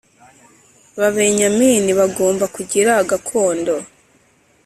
Babenyamini bagomba kugira gakondo